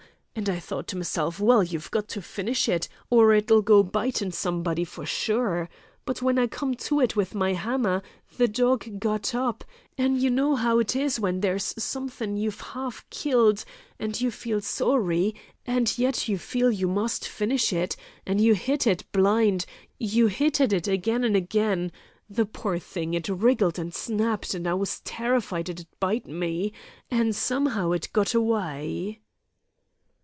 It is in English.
And I thought to meself: Well, you've got to finish it, or it'll go bitin' somebody, for sure! But when I come to it with my hammer, the dog it got up—an' you know how it is when there's somethin' you've 'alf killed, and you feel sorry, and yet you feel you must finish it, an' you hit at it blind, you hit at it agen an' agen. The poor thing, it wriggled and snapped, an' I was terrified it'd bite me, an' some'ow it got away."'